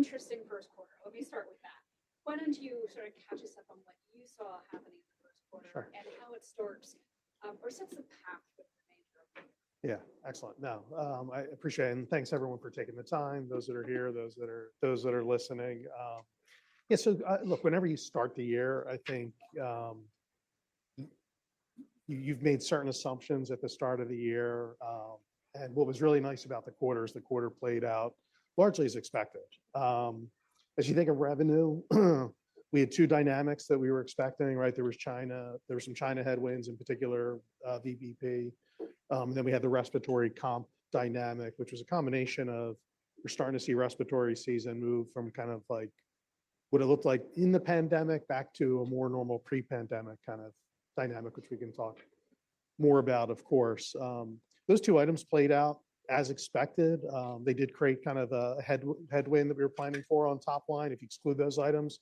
An interesting first quarter. Let me start with that. Why don't you sort of catch us up on what you saw happening in the first quarter and how it starts, or sets the path for the remainder of the year? Yeah, excellent. No, I appreciate, and thanks everyone for taking the time, those that are here, those that are listening. Yeah, so look, whenever you start the year, I think you've made certain assumptions at the start of the year. And what was really nice about the quarter is the quarter played out largely as expected. As you think of revenue, we had two dynamics that we were expecting, right? There was China, there were some China headwinds in particular, VBP. And then we had the respiratory comp dynamic, which was a combination of we're starting to see respiratory season move from kind of like what it looked like in the pandemic back to a more normal pre-pandemic kind of dynamic, which we can talk more about, of course. Those two items played out as expected. They did create kind of a headwind that we were planning for on top line. If you exclude those items,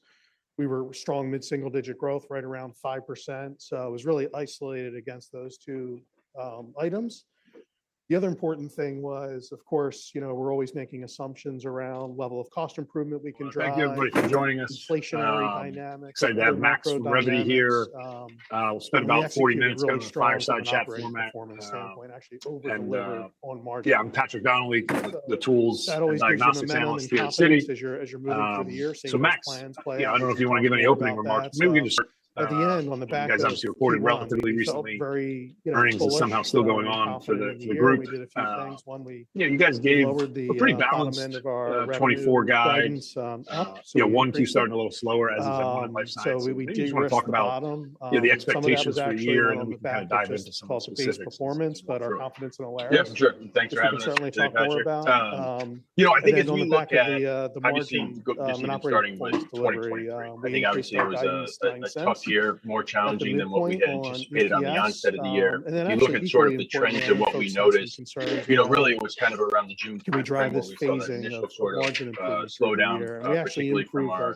we were strong mid-single digit growth right around 5%. So it was really isolated against those two items. The other important thing was, of course, you know we're always making assumptions around level of cost improvement we can drive. Thank you, everybody, for joining us. Inflationary dynamics. Excited to have Max Krakowiak here. We'll spend about 40 minutes going through fireside chat format. From my standpoint, actually over delivered on margin. Yeah, I'm Patrick Donnelly, the tools, diagnostics analyst at Citi. That always does as you're moving through the year, seeing plans play out. So Max, yeah, I don't know if you want to give any opening remarks. Maybe we can just start. At the end, on the back end. You guys obviously reported relatively recently. Very. Earnings are somehow still going on for the group. We did a few things. One we. Yeah, you guys gave a pretty balanced 2024 guide. Guidance up. Yeah, Q1 starting a little slower as is on life sciences. So we do. I just want to talk about the expectations for the year and then we can kind of dive into some specifics. Performance, but our confidence and awareness. Yeah, for sure. Thanks for having us. We can certainly talk more about. You know, I think as we look at. I haven't seen good news starting with 2023. I think obviously it was a tough year, more challenging than what we had anticipated on the onset of the year. If you look at sort of the trends of what we noticed, you know really it was kind of around the June. Can we drive this phase of initial sort of slowdown, particularly from our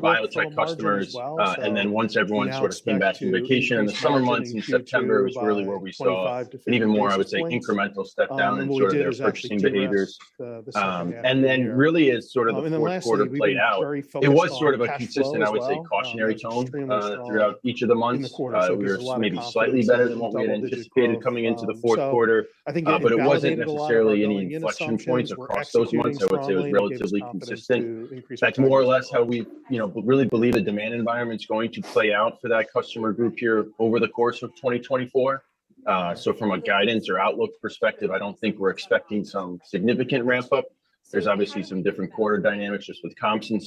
pharmacy customers? And then once everyone sort of came back from vacation in the summer months in September, it was really where we saw an even more, I would say, incremental step down in sort of their purchasing behaviors. And then really as sort of the fourth quarter played out, it was sort of a consistent, I would say, cautionary tone throughout each of the months. We were maybe slightly better than what we had anticipated coming into the fourth quarter. But it wasn't necessarily any inflection points across those months. I would say it was relatively consistent. That's more or less how we really believe the demand environment's going to play out for that customer group here over the course of 2024. So from a guidance or outlook perspective, I don't think we're expecting some significant ramp-up. There's obviously some different quarter dynamics just with comps and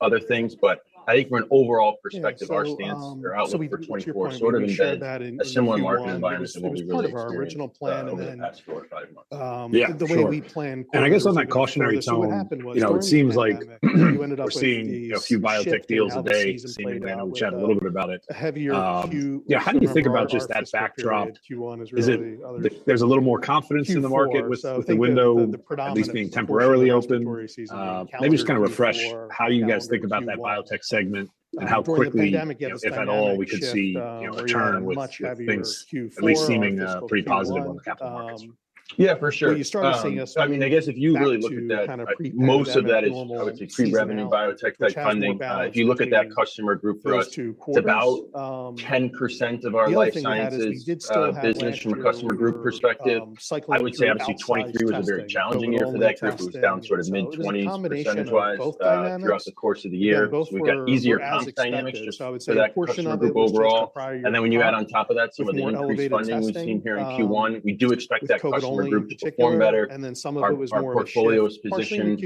other things. But I think from an overall perspective, our stance or outlook for 2024 sort of embedded a similar market environment that will be really expected. We're going to follow our original plan over the past four or five months. Yeah. The way we plan quarterly. I guess on that cautionary tone, you know it seems like we're seeing a few biotech deals a day, seeing uncertain, we chatted a little bit about it. A heavier queue. Yeah, how do you think about just that backdrop? Is it there's a little more confidence in the market with the window at least being temporarily open? Maybe just kind of refresh how you guys think about that biotech segment and how quickly, if at all, we could see a return with things at least seeming pretty positive on the capital markets? Yeah, for sure. I mean, I guess if you really look at that, most of that is, I would say, pre-revenue biotech-type funding. If you look at that customer group for us, it's about 10% of our life sciences business from a customer group perspective. I would say obviously 2023 was a very challenging year for that group. It was down sort of mid-20s% throughout the course of the year. So we've got easier comp dynamics just for that customer group overall. And then when you add on top of that some of the increased funding we've seen here in Q1, we do expect that customer group to perform better. Our portfolio is positioned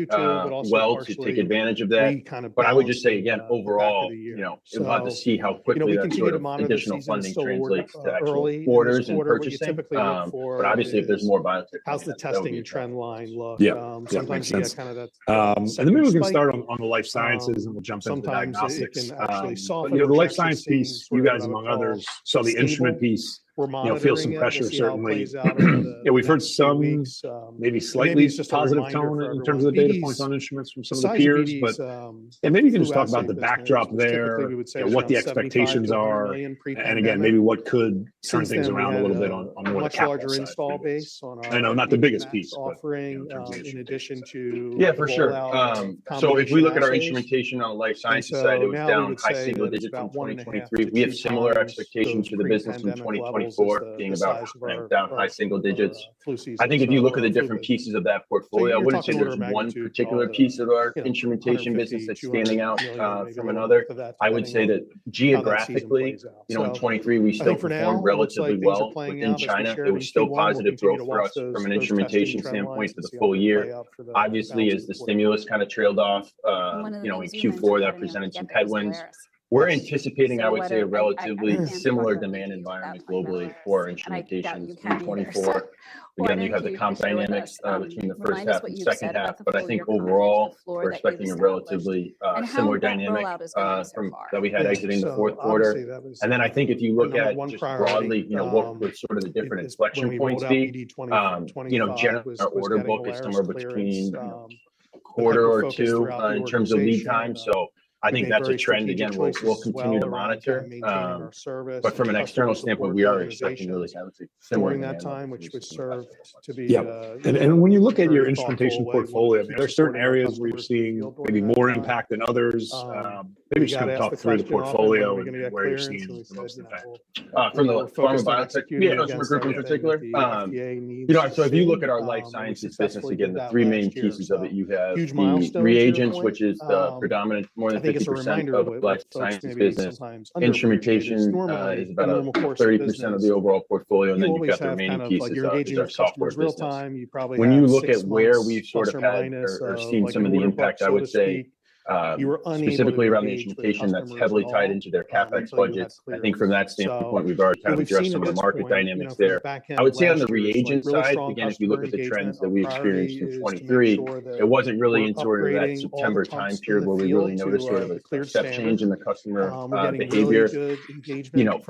well to take advantage of that. But I would just say, again, overall, you know it's hard to see how quickly that sort of additional funding translates to actual orders and purchasing. Obviously if there's more biotech, that will be important. Yeah, that makes sense. And then maybe we can start on the life sciences and we'll jump into diagnostics. You know the life science piece, you guys among others, so the instrument piece feels some pressure certainly. Yeah, we've heard some maybe slightly positive tone in terms of the data points on instruments from some of the peers. But maybe you can just talk about the backdrop there, what the expectations are. And again, maybe what could turn things around a little bit on more of the capital base. I know not the biggest piece, but. Yeah, for sure. So if we look at our instrumentation on the life sciences side, it was down high single digits from 2023. We have similar expectations for the business from 2024 being about down high single digits. I think if you look at the different pieces of that portfolio, I wouldn't say there's one particular piece of our instrumentation business that's standing out from another. I would say that geographically, you know in 2023, we still performed relatively well within China. It was still positive growth for us from an instrumentation standpoint for the full year. Obviously, as the stimulus kind of trailed off, you know in Q4, that presented some headwinds. We're anticipating, I would say, a relatively similar demand environment globally for our instrumentation in 2024. Again, you have the comp dynamics between the first half and second half. I think overall, we're expecting a relatively similar dynamic that we had exiting the fourth quarter. Then I think if you look at just broadly, you know what would sort of the different inflection points be, you know generally our order book is somewhere between a quarter or two in terms of lead time. I think that's a trend, again, we'll continue to monitor. From an external standpoint, we are expecting really, I would say, similar lead time. Yeah. When you look at your instrumentation portfolio, are there certain areas where you're seeing maybe more impact than others? Maybe just kind of talk through the portfolio and where you're seeing the most impact. From the pharma biotech group in particular? You know so if you look at our life sciences business, again, the three main pieces of it, you have the reagents, which is the predominant more than 50% of life sciences business. Instrumentation is about 30% of the overall portfolio. And then you've got the remaining pieces of which is our software business. When you look at where we've sort of had or seen some of the impact, I would say specifically around the instrumentation, that's heavily tied into their CapEx budgets. I think from that standpoint, we've already kind of addressed some of the market dynamics there. I would say on the reagent side, again, if you look at the trends that we experienced in 2023, it wasn't really in sort of that September time period where we really noticed sort of a clear step change in the customer behavior. You know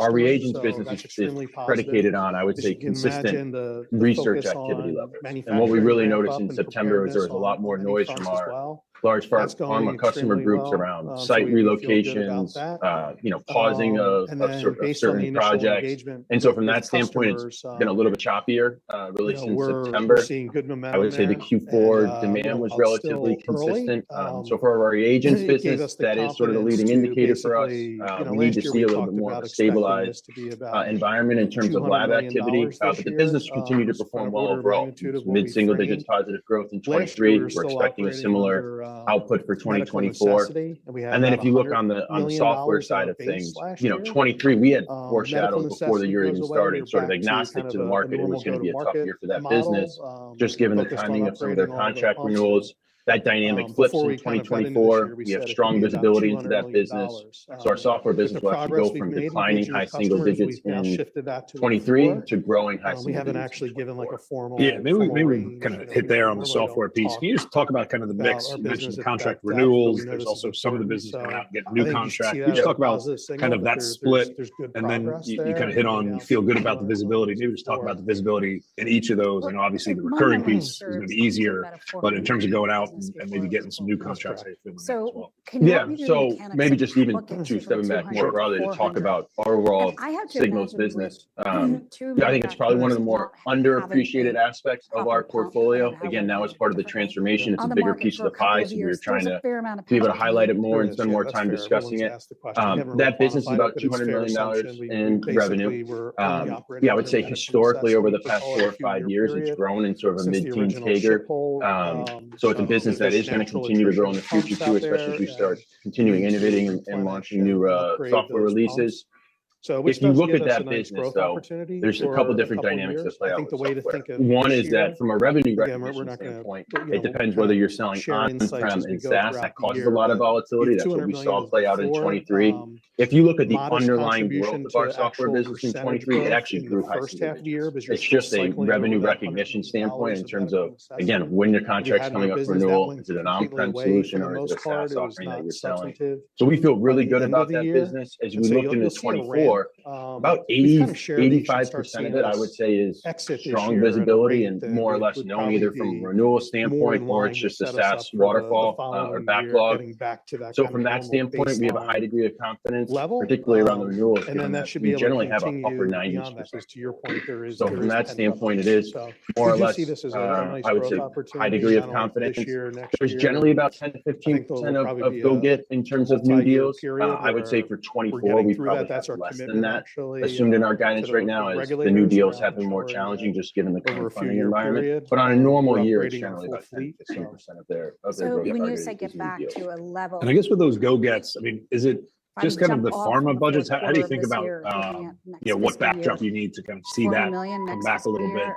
our reagents business is predicated on, I would say, consistent research activity levels. What we really noticed in September was there was a lot more noise from our large pharma customer groups around site relocations, you know, pausing of certain projects. From that standpoint, it's been a little bit choppier really since September. I would say the Q4 demand was relatively consistent. For our reagents business, that is sort of the leading indicator for us. We need to see a little bit more of a stabilized environment in terms of lab activity. But the business continued to perform well overall. Mid-single digit positive growth in 2023. We're expecting a similar output for 2024. Then if you look on the software side of things, you know, 2023, we had foreshadowed before the year even started sort of agnostic to the market. It was going to be a tough year for that business just given the timing of some of their contract renewals. That dynamic flips in 2024. We have strong visibility into that business. Our software business will actually go from declining high single digits in 2023 to growing high single digits. Yeah, maybe we kind of hit there on the software piece. Can you just talk about kind of the mix? You mentioned the contract renewals. There's also some of the business going out and getting new contracts. Can you just talk about kind of that split? And then you kind of hit on you feel good about the visibility. Maybe just talk about the visibility in each of those. And obviously, the recurring piece is going to be easier. But in terms of going out and maybe getting some new contracts as well. Yeah, so maybe just even to step back more broadly to talk about our overall Signals business. I think it's probably one of the more underappreciated aspects of our portfolio. Again, now it's part of the transformation. It's a bigger piece of the pie. So we're trying to be able to highlight it more and spend more time discussing it. That business is about $200 million in revenue. Yeah, I would say historically, over the past four or five years, it's grown in sort of a mid-teens CAGR. So it's a business that is going to continue to grow in the future too, especially as we start continuing innovating and launching new software releases. If you look at that business, though, there's a couple of different dynamics that play out. One is that from a revenue recognition standpoint, it depends whether you're selling on-prem and SaaS. That causes a lot of volatility. That's what we saw play out in 2023. If you look at the underlying growth of our software business in 2023, it actually grew high single digits. It's just a revenue recognition standpoint in terms of, again, when your contract's coming up for renewal, is it an On-Prem solution or is it a SaaS offering that you're selling? So we feel really good about that business. As we looked into 2024, about 85% of it, I would say, is strong visibility and more or less known either from a renewal standpoint or it's just a SaaS waterfall or backlog. So from that standpoint, we have a high degree of confidence, particularly around the renewals. We generally have an upper 90s%. So from that standpoint, it is more or less, I would say, a high degree of confidence. There's generally about 10%-15% of go-get in terms of new deals. I would say for 2024, we probably that's less than that. Assumed in our guidance right now is the new deals have been more challenging just given the kind of funding environment. But on a normal year, it's generally about 10%-15% of their go-get earnings. I guess with those go-gets, I mean, is it just kind of the pharma budgets? How do you think about what backdrop you need to kind of see that come back a little bit?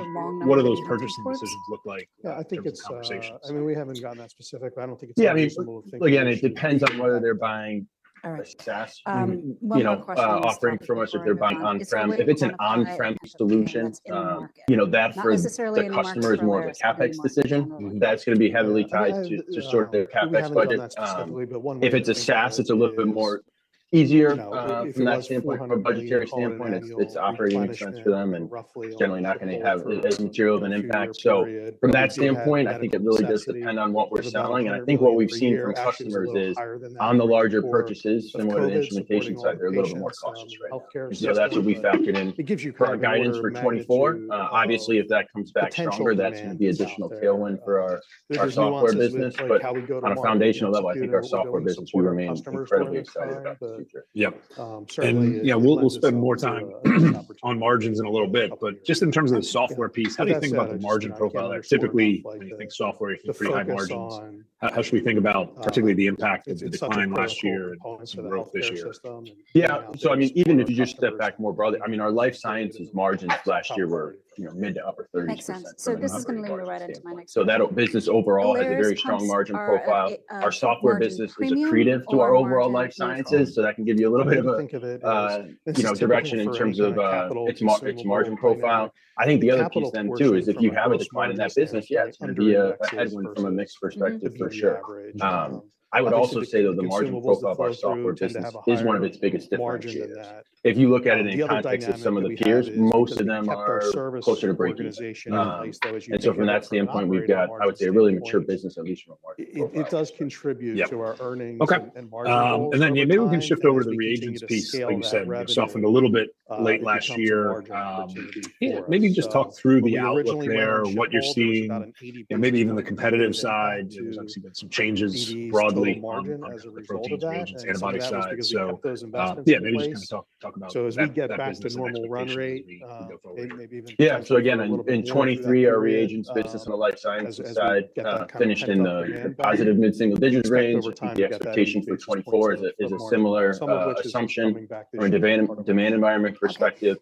And what do those purchasing decisions look like? Yeah, I think it's, I mean, we haven't gotten that specific, but I don't think it's a reasonable thing. Yeah, I mean, again, it depends on whether they're buying a SaaS offering from us, if they're buying on-prem. If it's an on-prem solution, you know, that for the customer is more of a CapEx decision. That's going to be heavily tied to sort of their CapEx budget. If it's a SaaS, it's a little bit more easier from that standpoint, from a budgetary standpoint. It's operating expense for them and generally not going to have as material of an impact. So from that standpoint, I think it really does depend on what we're selling. And I think what we've seen from customers is on the larger purchases, similar to the instrumentation side, they're a little bit more cautious, right? So that's what we factored in for our guidance for 2024. Obviously, if that comes back stronger, that's going to be an additional tailwind for our software business. But on a foundational level, I think our software business, we remain incredibly excited about the future. Yeah. And yeah, we'll spend more time on margins in a little bit. But just in terms of the software piece, how do you think about the margin profile there? Typically, when you think software, you think pretty high margins. How should we think about particularly the impact of the decline last year and some growth this year? Yeah, so I mean, even if you just step back more broadly, I mean, our life sciences margins last year were mid to upper 30%. This is going to lead me right into my next question. So that business overall has a very strong margin profile. Our software business is accretive to our overall life sciences. So that can give you a little bit of a direction in terms of its margin profile. I think the other piece then too is if you have a decline in that business, yeah, it's going to be a headwind from a mix perspective for sure. I would also say, though, the margin profile of our software business is one of its biggest differentiators. If you look at it in the context of some of the peers, most of them are closer to break-even. So from that standpoint, we've got, I would say, a really mature business, at least from a margin profile. It does contribute to our earnings. Okay. And then maybe we can shift over to the reagents piece, like you said, yourself, from a little bit late last year. Yeah, maybe just talk through the outlook there, what you're seeing, and maybe even the competitive side. There's obviously been some changes broadly on the protein reagents antibody side. So yeah, maybe just kind of talk about that business. Yeah, so again, in 2023, our reagents business on the life sciences side finished in the positive mid-single digits range. The expectation for 2024 is a similar assumption from a demand environment perspective.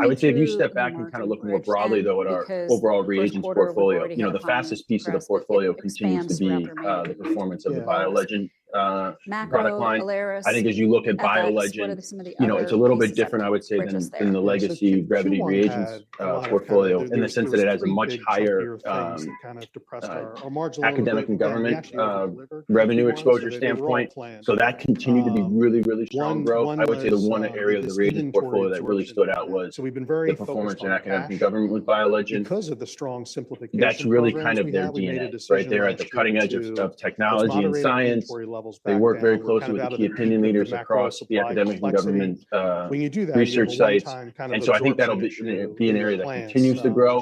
I would say if you step back and kind of look more broadly, though, at our overall reagents portfolio, you know the fastest piece of the portfolio continues to be the performance of the BioLegend product line. I think as you look at BioLegend, you know it's a little bit different, I would say, than the legacy Revvity reagents portfolio in the sense that it has a much higher academic and government revenue exposure standpoint. So that continued to be really, really strong growth. I would say the one area of the reagent portfolio that really stood out was the performance in academic and government with BioLegend. That's really kind of their DNA, right? They're at the cutting edge of technology and science. They work very closely with the key opinion leaders across the academic and government research sites. And so I think that'll be an area that continues to grow,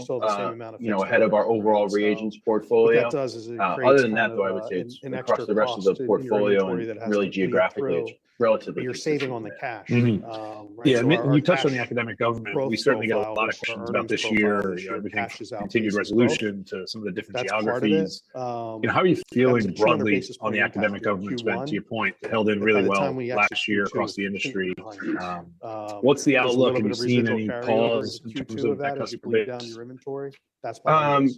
you know, ahead of our overall reagents portfolio. Other than that, though, I would say it's across the rest of the portfolio and really geographically, it's relatively consistent. Yeah, and you touched on the academic government. We certainly got a lot of questions about this year, everything from continued resolution to some of the different geographies. You know, how are you feeling broadly on the academic government spend, to your point, held in really well last year across the industry? What's the outlook? Have you seen any pause in terms of that customer base?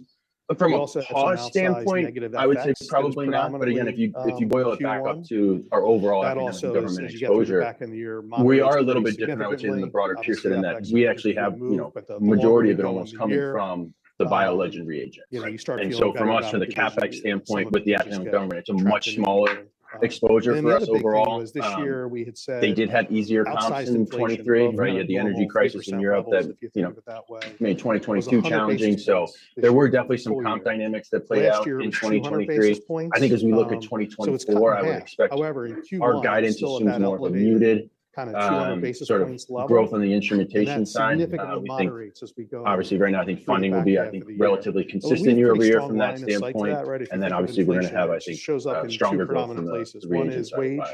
From a pause standpoint, I would say probably not. But again, if you boil it back up to our overall academic and government exposure, we are a little bit different, I would say, than the broader peers that in that we actually have, you know, a majority of it almost coming from the BioLegend reagents. And so from us, from the CapEx standpoint with the academic government, it's a much smaller exposure for us overall. They did have easier comps in 2023, right? You had the energy crisis in Europe that, you know, made 2022 challenging. So there were definitely some comp dynamics that played out in 2023. I think as we look at 2024, I would expect our guidance assumes more of a muted sort of growth on the instrumentation side. We think, obviously, right now, I think funding will be, I think, relatively consistent year-over-year from that standpoint. And then obviously, we're going to have, I think, stronger growth from the reagents side of BioLegend.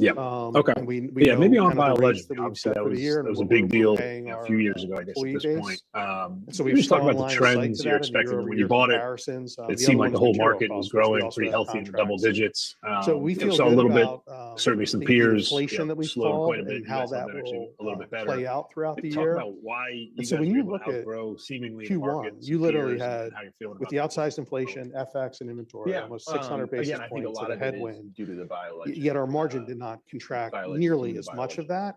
Yeah. Okay. Yeah, maybe on BioLegend, obviously, that was a big deal a few years ago, I guess, at this point. We just talked about the trends you're expecting. When you bought it, it seemed like the whole market was growing pretty healthy in the double digits. So we saw a little bit, certainly some peers slowing quite a bit and then actually a little bit better. Talk about why you didn't have a growth seemingly in the markets. You literally had, with the outsized inflation, FX and inventory, almost 600 basis points as a headwind. You had our margin did not contract nearly as much of that.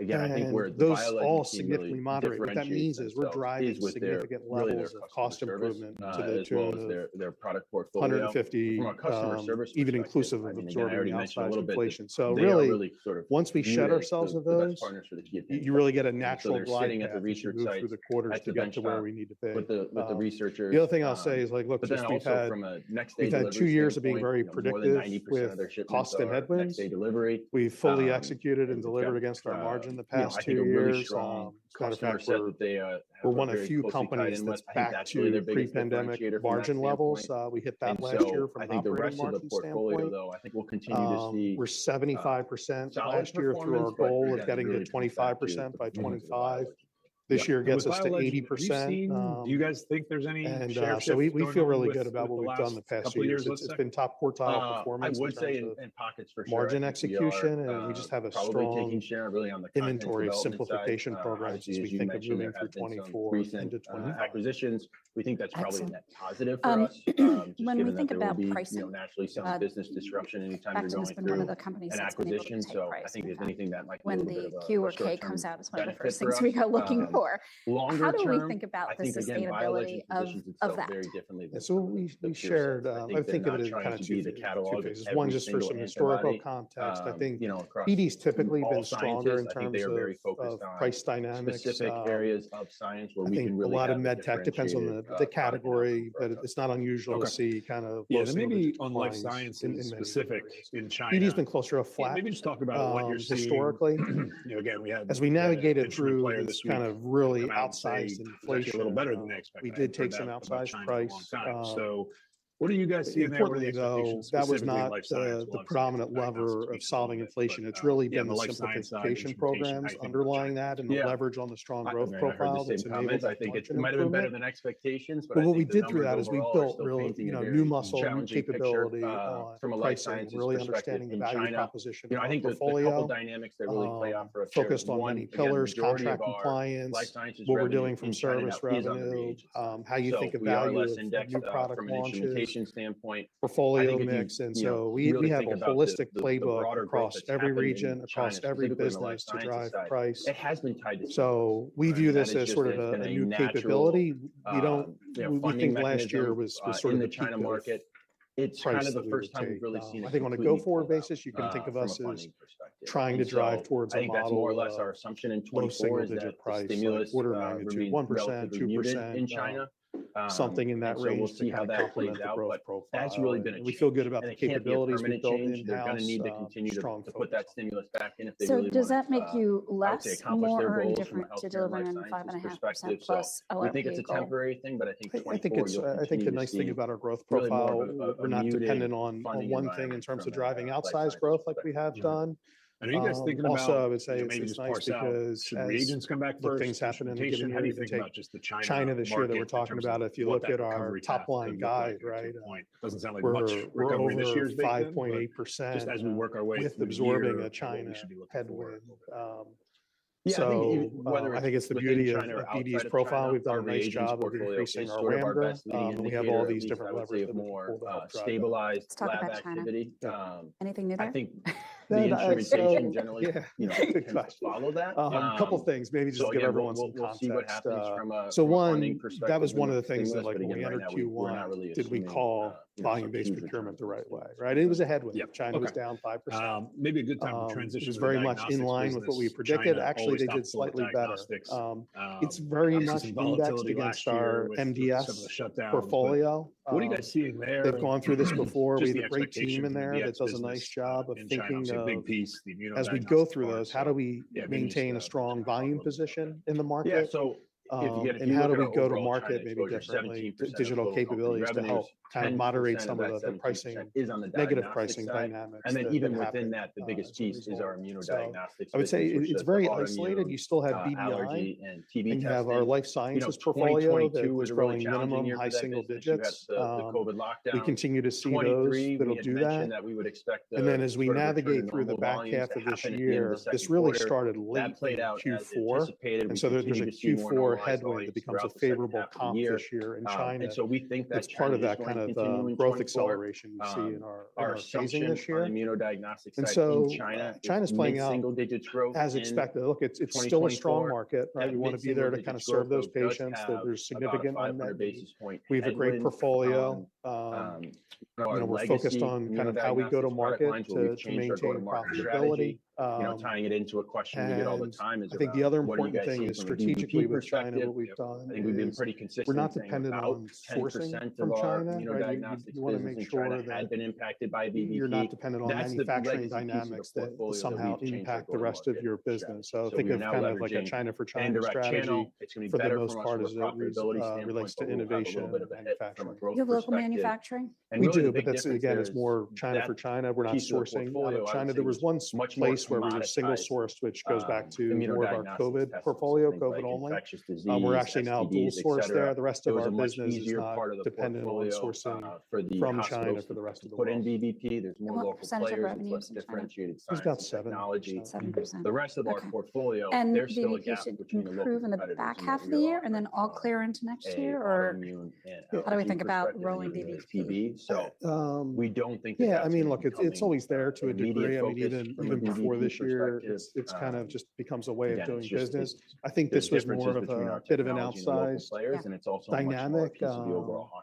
Again, I think where the BioLegend was all significantly moderate. What that means is we're driving significant levels of cost improvement to the 150, even inclusive of absorbing outsized inflation. So really, once we shut ourselves of those, you really get a natural drive to move through the quarters to get to where we need to be. The other thing I'll say is like, look, we've had two years of being very predictive with cost and headwinds. We fully executed and delivered against our margin the past two years. We're one of the few companies that's back to pre-pandemic margin levels. We hit that last year from a high profit margin. I think the rest of the portfolio, though, I think we'll continue to see. We're 75% last year through our goal of getting to 25% by 2025. This year gets us to 80%. Do you guys think there's any share? We feel really good about what we've done the past two years. It's been top quartile performance. I would say in pockets for sure. Margin execution. We just have a strong inventory simplification program as we think of moving through 2024 into 2025. Acquisitions, we think that's probably a net positive for us. When we think about pricing, you don't naturally sell business disruption anytime you're going through an acquisition. So I think if anything that might be available. When the Q or K comes out is one of the first things we go looking for. How do we think about the sustainability of that? That's what we shared. I think of it as kind of two phases. One just for some historical context. I think BD's typically been stronger in terms of price dynamics. Specific areas of science where we can really. A lot of medtech. Depends on the category, but it's not unusual to see kind of. Maybe unlike science in specific in China. BD's been closer to a flat. Maybe just talk about what you're seeing. Historically, again, we had. As we navigated through kind of really outsized inflation. We did take some outsized. Price. So what do you guys see in that? Before we go, that was not the predominant lever of solving inflation. It's really been the simplification programs underlying that and the leverage on the strong growth profile that's enabled. Well, what we did through that is we built really new muscle capability on pricing, really understanding the value proposition of the portfolio. I think there's a couple of dynamics that really play out for us here. Focused on many pillars, contract compliance, what we're doing from service revenue, how you think of value in new product launches, portfolio mix. So we have a holistic playbook across every region, across every business to drive price. So we view this as sort of a new capability. We think last year was sort of the peak of the market. It's kind of the first time we've really seen it. I think on a go-forward basis, you can think of us as trying to drive toward a model. I think that's more or less our assumption in 2024. Low single digit price, quarter value between 1%-2%, something in that range. We'll see how that plays out. That's really been a change. We feel good about the capabilities we've built in-house. We're going to need to continue to put that stimulus back in if they really want to. Does that make you less, more on different? To deliver 5.5% + 11%? I think it's a temporary thing, but I think. I think the nice thing about our growth profile, we're not dependent on one thing in terms of driving outsized growth like we have done. Are you guys thinking about? Also, I would say it's nice because. Should reagents come back first? Look, things happen in the beginning. China this year that we're talking about. If you look at our top-line guide, right? Doesn't sound like much recovery this year. 5.8%. Just as we work our way through. With absorbing a China headwind. Yeah, I think it's the beauty of BD's profile. We've done a nice job of increasing our margin. We have all these different levers that we can pull to help drive that. Let's talk about China. Anything new there? I think the instrumentation generally, you know, we can follow that. A couple of things. Maybe just give everyone some context. So one, that was one of the things that like when we entered Q1, did we call volume-based procurement the right way, right? It was a headwind. China was down 5%. Maybe a good time to transition. It was very much in line with what we predicted. Actually, they did slightly better. It's very much indexed against our MDS portfolio. What are you guys seeing there? They've gone through this before. We had a great team in there that does a nice job of thinking of as we go through those, how do we maintain a strong volume position in the market? Yeah. And how do we go to market maybe differently? Digital capabilities to help kind of moderate some of the negative pricing dynamics. Then even within that, the biggest piece is our Immunodiagnostics. I would say it's very isolated. You still have UNCERTAIN. And you have our life sciences portfolio that is growing minimum, high single digits. We continue to see those that'll do that. And then as we navigate through the back half of this year, this really started late Q4. And so there's a Q4 headwind that becomes a favorable comp this year in China. It's part of that kind of growth acceleration we see in our phasing this year. And so China's playing out as expected. Look, it's still a strong market, right? We want to be there to kind of serve those patients that there's significant unmet needs. We have a great portfolio. We're focused on kind of how we go to market to maintain profitability. Tying it into a question we get all the time is. I think the other important thing is strategically with China, what we've done. We're not dependent on sourcing from China, right? You want to make sure that. You're not dependent on manufacturing dynamics that somehow impact the rest of your business. So think of kind of like a China for China strategy. For the most part, as it relates to innovation and manufacturing. You have local manufacturing? We do, but that's, again, is more China for China. We're not sourcing China. There was one place where we were single-sourced, which goes back to more of our COVID portfolio, COVID only. We're actually now dual-sourced there. The rest of our business is not dependent on sourcing from China for the rest of the year. Put in VBP. There's more local products. There's about 7%. The rest of our portfolio, there's still gaps. There's communication to improve in the back half of the year and then all clear into next year? Or how do we think about rolling VBP? We don't think that that's happening. Yeah, I mean, look, it's always there to a degree. I mean, even before this year, it kind of just becomes a way of doing business. I think this was more of a bit of an outsized dynamic.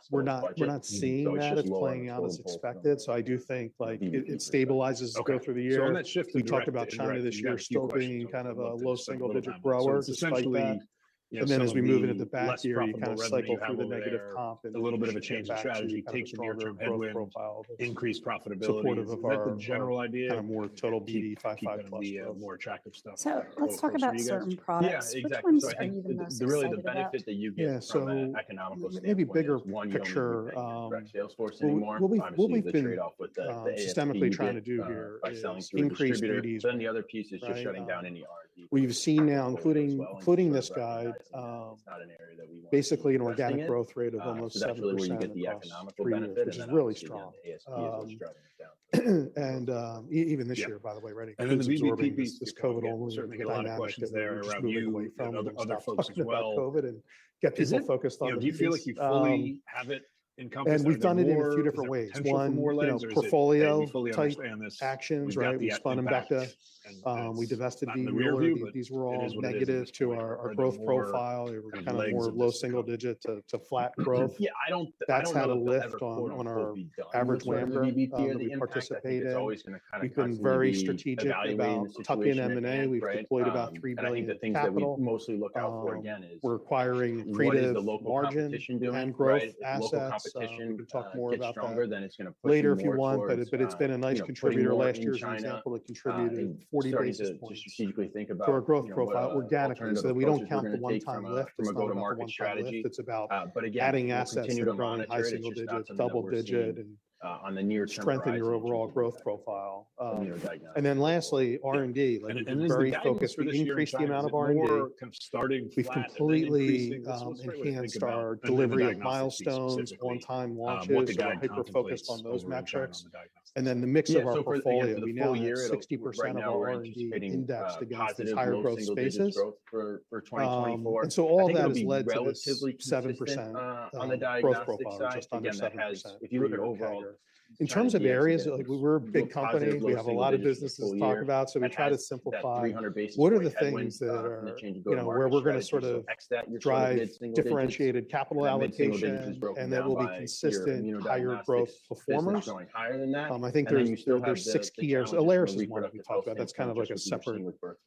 We're not seeing that as playing out as expected. So I do think like it stabilizes as we go through the year. We talked about China this year still being kind of a low single-digit grower, especially. And then as we move into the back half of the year, you kind of cycle through the negative comp and a little bit of a China strategy takes over a growth profile. Increased profitability. Supportive of our kind of more total BD 55+. More attractive stuff. Let's talk about certain products. Which ones are you the most? Really, the benefit that you get from economical standpoint. Maybe bigger picture. What we've been trying to trade off with the ASP. Systematically trying to do here is increase BDs. The other piece is just shutting down any R&D. What you've seen now, including this guide, basically an organic growth rate of almost 7%. That's where we get the economical benefit of ASP. Which is really strong. Even this year, by the way, right? This COVID-only dynamic that's moved away from other folks as well. Get people focused on the. Do you feel like you fully have it encompassed? We've done it in a few different ways. One, portfolio-type actions, right? We spun them back to we divested the real. These were all negative to our growth profile. They were kind of more low single digit to flat growth. That's had a lift on our average WAMGR that we participated. We've been very strategic about tucking M&A. We've deployed about $3 billion capital. We're acquiring creative margin and growth assets. We'll talk more about that later if you want. But it's been a nice contributor. Last year's example that contributed 40 basis points to our growth profile organically so that we don't count the one-time lift. It's not about one-time lift. It's about adding assets to growing high single digit, double digit, and strengthening your overall growth profile. And then lastly, R&D. We've been very focused. We increased the amount of R&D. We've completely enhanced our delivery of milestones, one-time launches. We've got hyper-focused on those metrics. And then the mix of our portfolio, we now have 60% of our R&D indexed against entire growth spaces. And so all that has led to this 7% growth profile, just under 7%. In terms of areas, we're a big company. We have a lot of businesses to talk about. So we try to simplify. What are the things that are where we're going to sort of drive differentiated capital allocation and that will be consistent higher growth performers? I think there's six key areas. Alaris is one that we talked about. That's kind of like a separate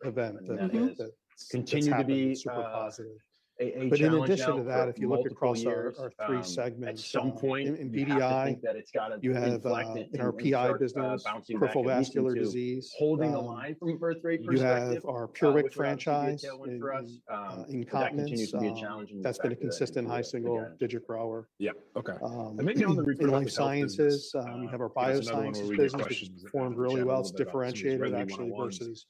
event that we looked at. Continue to be super positive. But in addition to that, if you look across our three segments, in BDI, you have in our PI business, peripheral vascular disease. You have our PureWick franchise in incontinence. That's been a consistent high single digit grower. Yeah. Okay. And maybe on the. Life Sciences. We have our Biosciences business that's performed really well. It's differentiated, actually, versus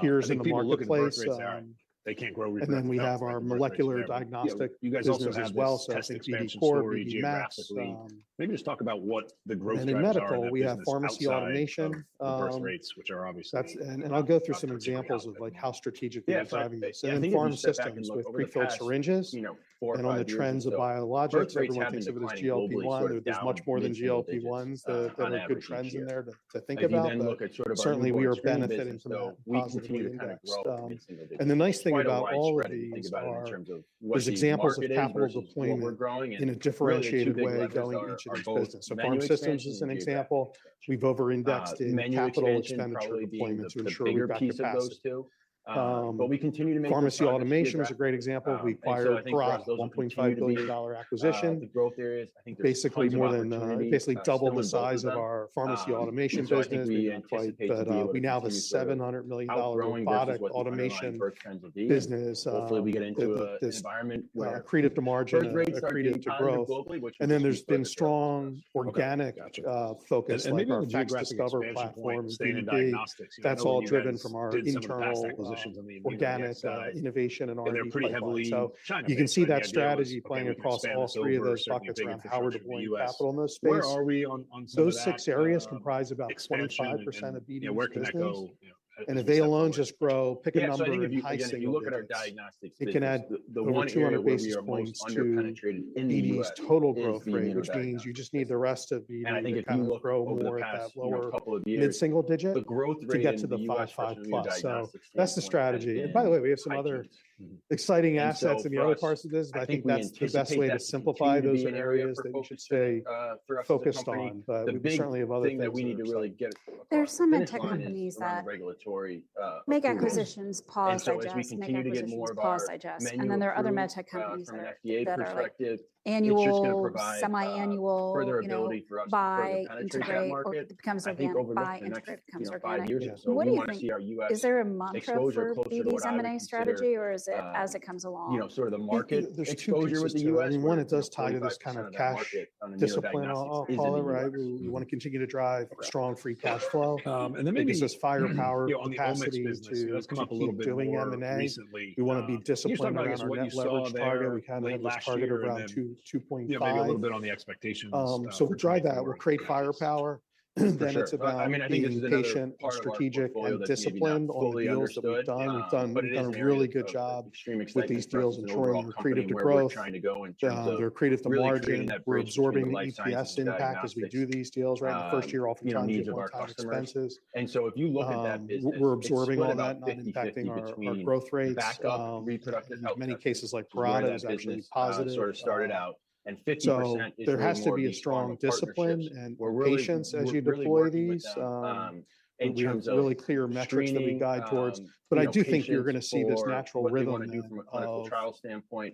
peers in the marketplace. Then we have our molecular diagnostic business as well. I think BD COR, BD MAX. Maybe just talk about what the growth. In medical, we have pharmacy automation. I'll go through some examples of how strategically we're driving this. Then pharma systems with prefilled syringes. On the trends of biologics, everyone thinks of it as GLP-1. There's much more than GLP-1s that are good trends in there to think about. But certainly, we are benefiting from that positive index. The nice thing about all of these are there's examples of capital deployment in a differentiated way going into each of these businesses. So pharma systems is an example. We've over-indexed in capital expenditure deployment to ensure we've got capacity. Pharmacy automation is a great example. We acquired Parata, $1.5 billion acquisition. Basically, more than basically double the size of our pharmacy automation business. But we now have a $700 million product automation business with this creative to margin, creative to growth. Then there's been strong organic focus. Maybe the next discovery platform is BD Diagnostics. That's all driven from our internal positions, organic innovation and R&D platforms. You can see that strategy playing across all three of those buckets around how we're deploying capital in those spaces. Those six areas comprise about 25% of BD's business. And if they alone just grow, pick a number in pricing, it can add over 200 basis points to BD's total growth rate, which means you just need the rest of BD to grow more at that lower mid-single digit to get to the 5.5 plus. That's the strategy. By the way, we have some other exciting assets in the other parts of this. And I think that's the best way to simplify those areas that we should stay focused on. But we certainly have other things. There's some medtech companies that make acquisitions, pause, digest, make acquisitions, pause, digest. And then there are other medtech companies that are annual, semi-annual. Further ability for us to buy, integrate, or it becomes organic. What do you think? Is there a mantra for BD's M&A strategy? Or is it as it comes along? Sort of the market exposure with the U.S. One, it does tie to this kind of cash discipline, right? We want to continue to drive strong free cash flow. Then maybe this is firepower capacity to doing M&A. We want to be disciplined around our net leverage target. We kind of have this target of around 2.5. Maybe a little bit on the expectations. We drive that. We'll create firepower. It's about communication, strategic, and disciplined on the deals that we've done. We've done a really good job with these deals ensuring we're creative to growth. They're creative to margin. We're absorbing the EPS impact as we do these deals, right? The first year, oftentimes, we have one-time expenses. If you look at that. We're absorbing all that, not impacting our growth rates. In many cases, like Prahlad, it was actually positive. 50% is just. So there has to be a strong discipline and patience as you deploy these. And really clear metrics that we guide towards. But I do think you're going to see this natural rhythm of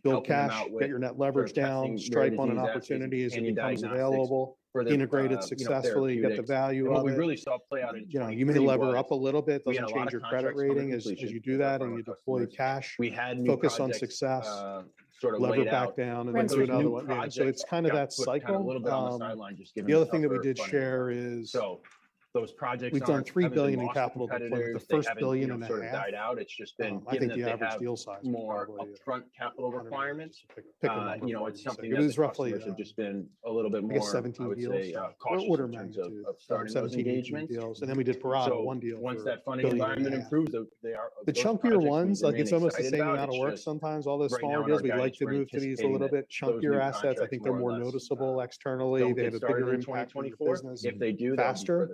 build cash, get your net leverage down, stripe on an opportunity as it becomes available, integrate it successfully, get the value of it. You may lever up a little bit. It doesn't change your credit rating as you do that and you deploy cash. Focus on success. Lever back down and then do another one. So it's kind of that cycle. The other thing that we did share is we've done $3 billion in capital deployment. The first $1.5 billion. I think the average deal size. More upfront capital requirements. It's something that's just been a little bit more. I guess 17 deals. Order management of 17 engagements. Then we did Prahlad, 1 deal. Once that funding environment improves, they are. The chunkier ones, like it's almost the same amount of work sometimes. All those smaller deals, we like to move to these a little bit chunkier assets. I think they're more noticeable externally. They have a bigger impact business faster.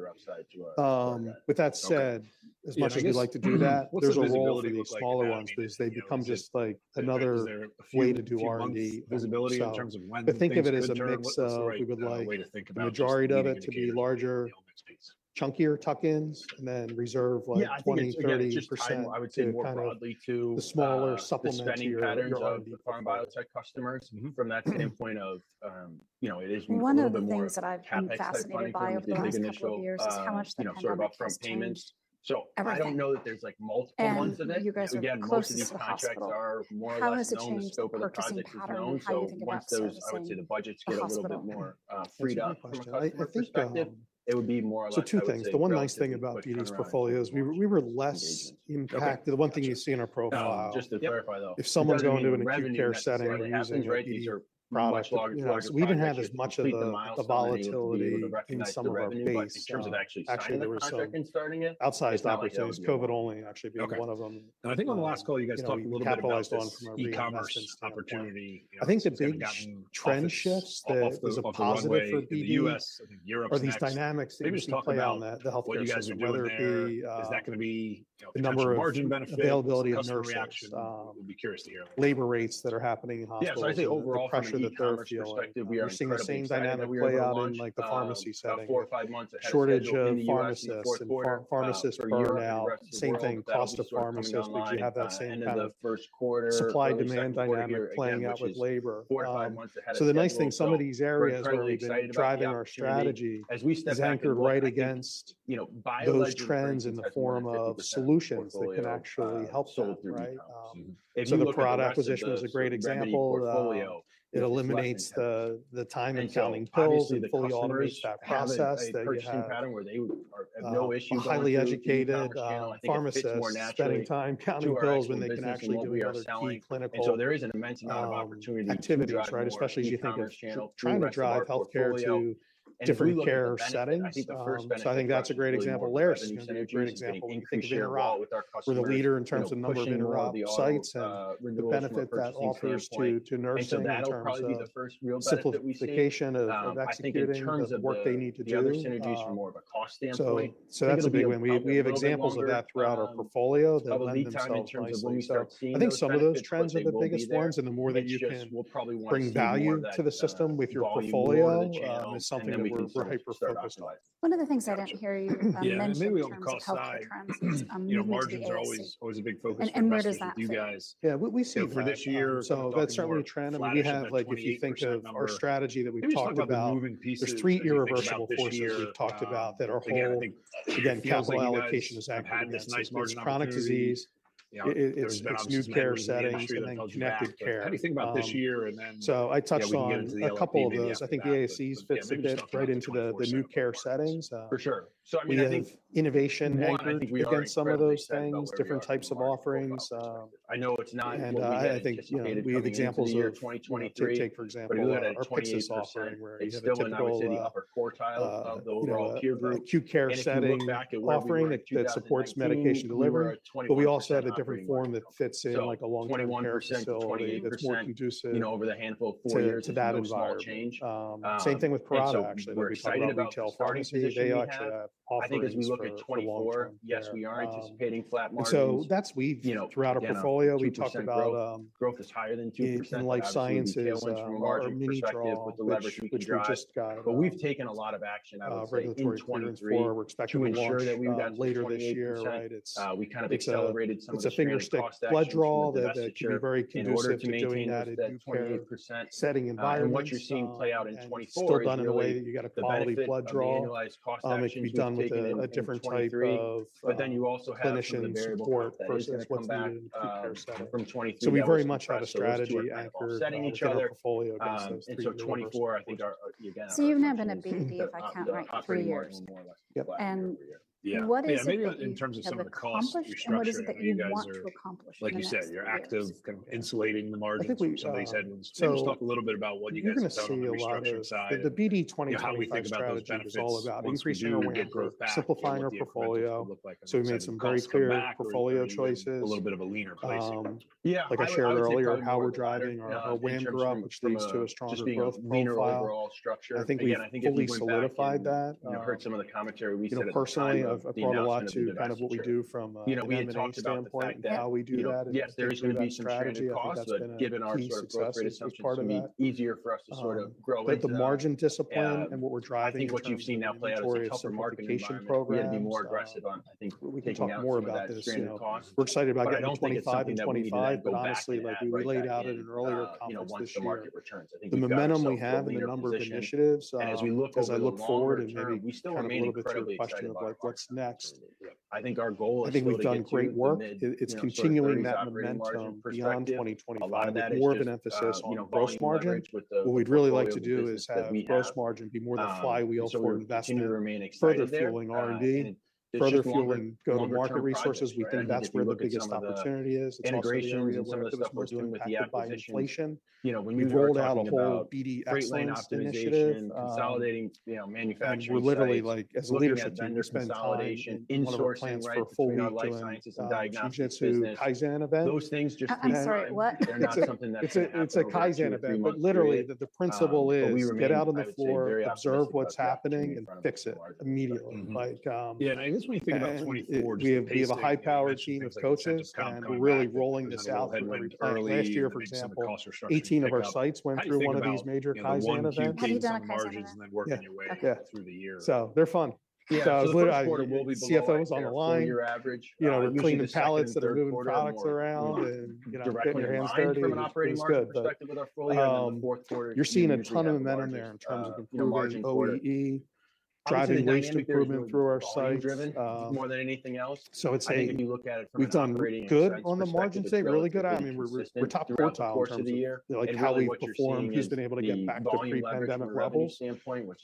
With that said, as much as we'd like to do that, there's a role to the smaller ones because they become just like another way to do R&D. I think of it as a mix of we would like the majority of it to be larger, chunkier tuck-ins, and then reserve like 20%-30% to kind of the smaller supplementary R&D for our biotech customers from that standpoint of it is more of a capping thing. One of the things that I've been fascinated by over the last couple of years is how much that can be. Sort of upfront payments. So I don't know that there's like multiple ones in it. Again, most of these contracts are more or less known scope of the project. So once those, I would say, the budgets get a little bit more freed up from a customer perspective, it would be more or less. Two things. The one nice thing about BD's portfolio is we were less impacted. The one thing you see in our profile. Just to clarify, though. If someone's going to an acute care setting using your product, we didn't have as much of the volatility in some of our base. Actually, there were some outsized opportunities, COVID-only actually being one of them. I think on the last call, you guys talked a little bit about e-commerce opportunity. I think the big trend shifts that is a positive for BD are these dynamics that you see play out in the healthcare sector, whether it be the number of availability of nurses. Labor rates that are happening in hospitals. I think overall pressure that they're feeling. We're seeing the same dynamic play out in the pharmacy setting. Shortage of pharmacists and pharmacists per year now. Same thing, cost of pharmacists. Did you have that same kind of supply-demand dynamic playing out with labor? So the nice thing, some of these areas where we've been driving our strategy is anchored right against those trends in the form of solutions that can actually help them, right? So the product acquisition is a great example. It eliminates the time and counting pills and fully automates that process. Highly educated pharmacists spending time counting pills when they can actually do another key clinical activities, right? Especially as you think of trying to drive healthcare to different care settings. So I think that's a great example. Alaris is a great example when you think of interop. We're the leader in terms of number of interop sites and the benefit that offers to nursing in terms of simplification of executing the work they need to do. That's a big one. We have examples of that throughout our portfolio that lend themselves in terms of I think some of those trends are the biggest ones. The more that you can bring value to the system with your portfolio is something that we're hyper-focused on. One of the things I didn't hear you mention in terms of healthcare trends is margins are always a big focus. Where does that fit? Yeah. We see for this year. So that's certainly a trend. I mean, we have, like, if you think of our strategy that we've talked about, there's three irreversible forces we've talked about that are whole. Again, capital allocation is accurate. It's chronic disease. It's new care settings. And then connected care. Anything about this year? I touched on a couple of those. I think the ASCs fits a bit right into the new care settings. We have innovation anchored against some of those things, different types of offerings. I know it's not. I think we have examples of, take for example, our Pyxis offering where you have a typical acute care setting offering that supports medication delivery. But we also have a different form that fits in like a long-term care facility that's more conducive to that environment. Same thing with Prahlad, actually. We're talking about retail pharmacy. They actually offer those as well. Yes, we are anticipating flat margins. So that's we throughout our portfolio. We talked about. Growth is higher than 2%. Life Sciences are mini-draw, which we just got. But we've taken a lot of action, I would say, in 2023. We're expecting to ensure that we've got later this year, right? We kind of accelerated some of the cost. It's a fingerstick blood draw that can be very conducive to doing that at 28%. What you're seeing play out in 2024. Still done in a way that you got a quality blood draw. It'll be done with a different type of finishing support versus what's in the acute care setting. So we very much have a strategy anchored in our portfolio against those three. And so 2024, I think. So you've never been at BD, if I count right, three years. What is it that you've accomplished? In terms of some of the costs, what is it that you want to accomplish? Like you said, you're actively kind of insulating the margins. I think we've. So they said we'll talk a little bit about what you guys have done on the structure inside. The BD 2023, how we think about those benefits. We're simplifying our portfolio. We made some very clear portfolio choices. A little bit of a leaner placement. Like I shared earlier, how we're driving our WAMDRUP, which leads to a stronger growth profile. I think we fully solidified that. You heard some of the commentary. Personally, I've brought a lot to kind of what we do from a BD M&A standpoint and how we do that. Yes. There is going to be some strategy costs that, given our sort of growth rate, it's going to be easier for us to sort of grow it. But the margin discipline and what we're driving for this year. I think what you've seen now play out is a healthcare marketing program. We need to be more aggressive on, I think, taking out. We can talk more about this. We're excited about getting 2025 and 2025. But honestly, like we laid out in an earlier conference this year, the momentum we have and the number of initiatives, as I look forward and maybe kind of a little bit to the question of like what's next. I think our goal is. I think we've done great work. It's continuing that momentum beyond 2025 with more of an emphasis on gross margin. What we'd really like to do is have gross margin be more the flywheel for investment, further fueling R&D, further fueling go-to-market resources. We think that's where the biggest opportunity is. Integration is one of the most impacted by inflation. We rolled out a whole BD excellence initiative. We literally, like as a leadership team, we spent four months for a full week doing a Kaizen Event. I'm sorry. What? It's a Kaizen event. But literally, the principle is get out on the floor, observe what's happening, and fix it immediately. Yeah. I guess when you think about 2024. We have a high-powered team of coaches. We're really rolling this out. Last year, for example, 18 of our sites went through one of these major Kaizen events. Have you done a Kaizen Event? Yeah. So they're fun. So CFOs on the line. We're cleaning pallets that are moving products around and getting your hands dirty. It's good. But you're seeing a ton of momentum there in terms of improving OEE, driving waste improvement through our sites. More than anything else. I think if you look at it from a. Good on the margin standpoint. Really good. I mean, we're top quartile in terms of how we've performed. He's been able to get back to pre-pandemic levels.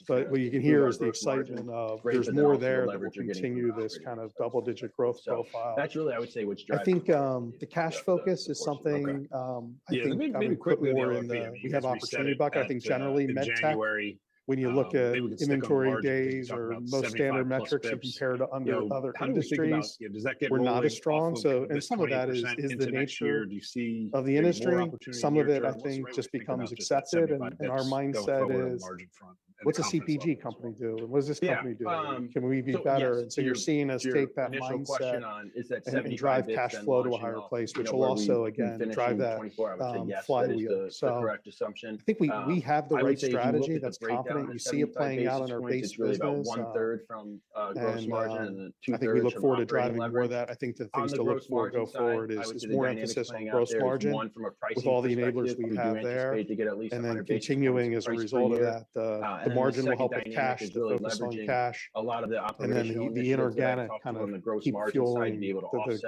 But what you can hear is the excitement of there's more there that will continue this kind of double-digit growth profile. That's really, I would say, what's driving it. I think the cash focus is something I think more in the we have opportunity bucket. I think generally, medtech, when you look at inventory days or most standard metrics and compare to other industries, we're not as strong. And some of that is the nature of the industry. Some of it, I think, just becomes accepted. And our mindset is, what's a CPG company do? And what does this company do? Can we be better? And so you're seeing us take that mindset and drive cash flow to a higher place, which will also, again, drive that flywheel. So I think we have the right strategy. That's confident. You see it playing out in our base business. I think we look forward to driving more of that. I think the things to look for go forward is more emphasis on gross margin with all the enablers we have there. And then continuing as a result of that, the margin will help with cash, the focus on cash. And then the inorganic kind of keep fueling the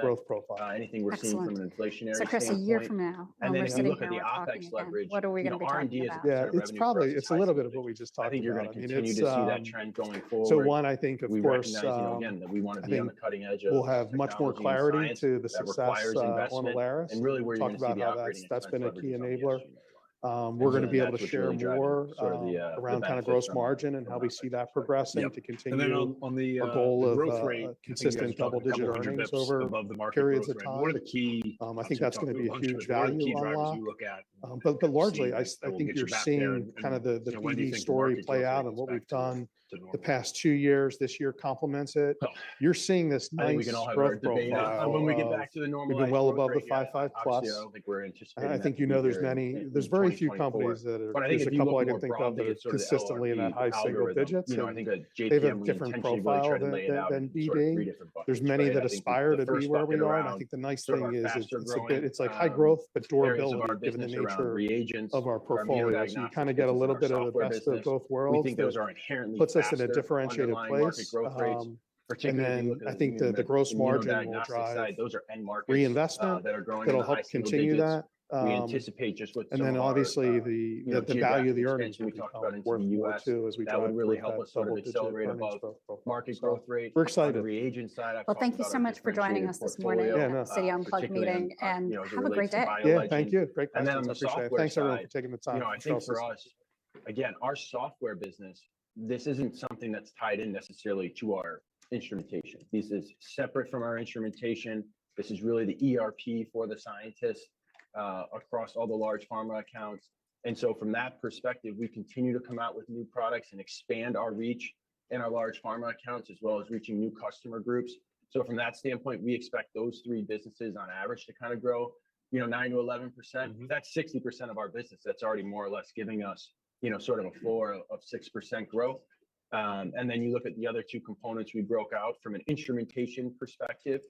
growth profile. So Chris, a year from now, when we're sitting here, what are we going to be talking about? Yeah. It's a little bit of what we just talked about. So one, I think, of course, we'll have much more clarity to the success on the Alaris. And talk about how that's been a key enabler. We're going to be able to share more around kind of gross margin and how we see that progressing to continue our goal of consistent double-digit earnings over periods of time. I think that's going to be a huge value a lot. But largely, I think you're seeing kind of the BD story play out and what we've done the past two years. This year complements it. You're seeing this nice growth profile. We've been well above the 5.5 plus. I think you know there's very few companies that are I think there's a couple I can think of that are consistently in that high single digit. They have a different profile than BD. There's many that aspire to be where we are. And I think the nice thing is it's like high growth, but durable, given the nature of our portfolio. So you kind of get a little bit of the best of both worlds. It puts us in a differentiated place. And then I think the gross margin will drive reinvestment that'll help continue that. And then obviously, the value of the earnings we can talk about in the U.S. too as we talk about really helpful double-digit earnings. We're excited. Well, thank you so much for joining us this morning at the Citi Unplugged meeting. Have a great day. Yeah. Thank you. Great question. Thanks, everyone, for taking the time. Again, our software business, this isn't something that's tied in necessarily to our instrumentation. This is separate from our instrumentation. This is really the ERP for the scientists across all the large pharma accounts. And so from that perspective, we continue to come out with new products and expand our reach in our large pharma accounts, as well as reaching new customer groups. So from that standpoint, we expect those three businesses on average to kind of grow 9%-11%. That's 60% of our business. That's already more or less giving us sort of a floor of 6% growth. And then you look at the other two components we broke out from an instrumentation perspective,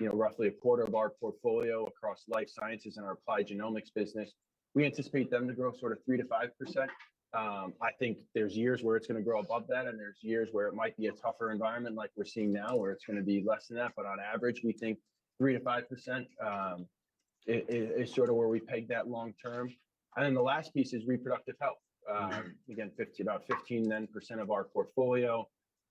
roughly a quarter of our portfolio across Life Sciences and our Applied Genomics business, we anticipate them to grow sort of 3%-5%. I think there's years where it's going to grow above that. And there's years where it might be a tougher environment like we're seeing now where it's going to be less than that. But on average, we think 3%-5% is sort of where we peg that long term. And then the last piece is Reproductive Health. Again, about 15% of our portfolio.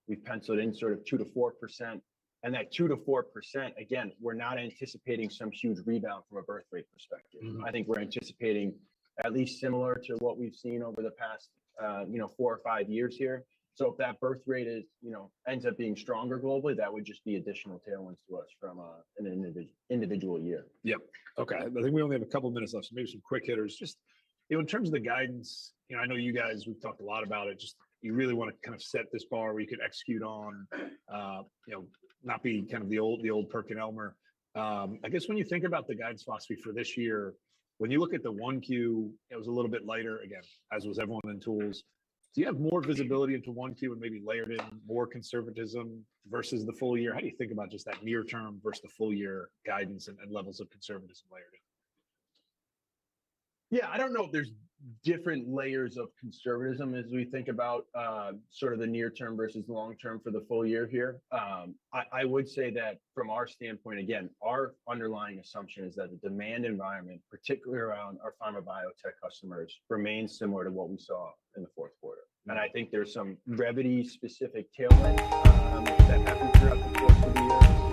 We've penciled in sort of 2%-4%. And that 2%-4%, again, we're not anticipating some huge rebound from a birthrate perspective. I think we're anticipating at least similar to what we've seen over the past four or five years here. So if that birthrate ends up being stronger globally, that would just be additional tailwinds to us from an individual year. Yep. Okay. I think we only have a couple of minutes left. So maybe some quick hitters. Just in terms of the guidance, I know you guys; we've talked a lot about it. Just, you really want to kind of set this bar where you can execute on, not be kind of the old PerkinElmer. I guess when you think about the guidance philosophy for this year, when you look at the 1Q, it was a little bit lighter, again, as was everyone in tools. Do you have more visibility into 1Q and maybe layered in more conservatism versus the full year? How do you think about just that near-term versus the full-year guidance and levels of conservatism layered in? Yeah. I don't know if there's different layers of conservatism as we think about sort of the near-term versus long-term for the full year here. I would say that from our standpoint, again, our underlying assumption is that the demand environment, particularly around our pharma biotech customers, remains similar to what we saw in the fourth quarter. I think there's some Revvity-specific tailwinds that happen throughout the course of the year.